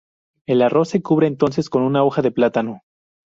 El arroz se cubre entonces con una hoja de plátano.